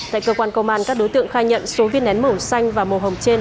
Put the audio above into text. tại cơ quan công an các đối tượng khai nhận số viên nén màu xanh và màu hồng trên